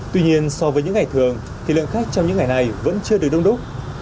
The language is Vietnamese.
tuy nhiên so với những ngày thường thì lượng khách trong những ngày này vẫn chưa được đông đúc